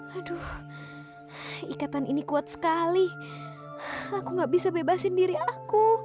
aduh ikatan ini kuat sekali aku gak bisa bebasin diri aku